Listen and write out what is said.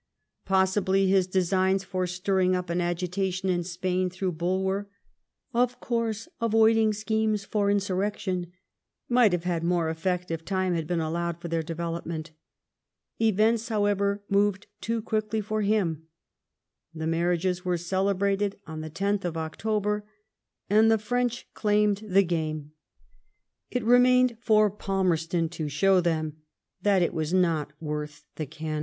Possibly his designs for stirring up an agitation in Spain through Bulwer, of course avoiding schemes for insurrection," might have had more effect if time had been allowed for their development. Events, however, moved too quickly for him ; the marriages were celebrated on the 10th of October, and the French claimed the game.